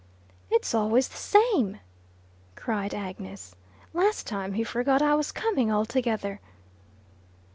"It's always the same," cried Agnes. "Last time he forgot I was coming altogether."